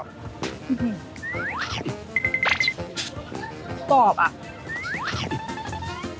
อร่อยทุกอย่างเลยมีข้อน้ำเนางบอมของแม่นิดแหละ